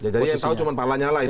jadi yang tahu cuma pak lanyala itu ya